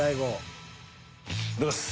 おはようございます。